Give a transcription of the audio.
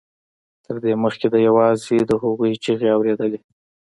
تر دې مخکې ده یوازې د هغوی چیغې اورېدلې